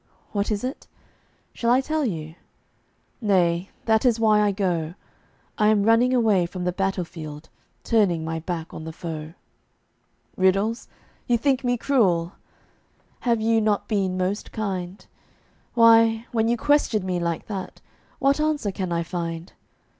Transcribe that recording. What is it? Shall I tell you? Nay, that is why I go. I am running away from the battlefield Turning my back on the foe. Riddles? You think me cruel! Have you not been most kind? Why, when you question me like that, What answer can I find?